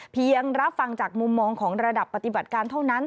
เพียงรับฟังจากมุมมองของระดับปฏิบัติการเท่านั้น